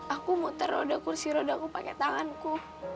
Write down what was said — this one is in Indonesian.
aku muter roda kursi roda kullan tanganku